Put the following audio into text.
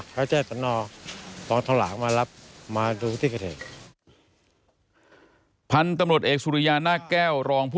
เค้าแจ้งทำนองวางทองหลางมารับมาดูที่เกิดเหตุ